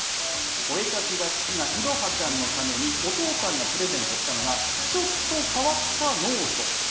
お絵描きが好きな彩葉ちゃんのために、お父さんがプレゼントしたのが、ちょっと変わったノート。